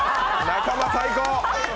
仲間最高！